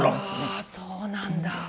うわそうなんだ。